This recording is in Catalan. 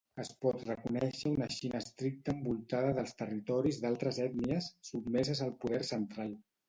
Es pot reconèixer una Xina estricta envoltada dels territoris d'altres ètnies, sotmeses al poder central.